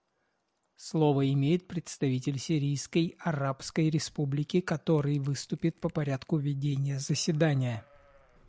Слово имеет представитель Сирийской Арабской Республики, который выступит по порядку ведения заседания.